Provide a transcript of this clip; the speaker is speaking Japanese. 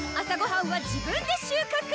朝ごはんは自分で収穫！